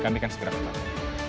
kami akan segera kembali